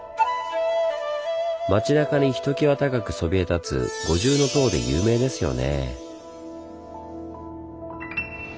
町なかにひときわ高くそびえ立つ五重塔で有名ですよね。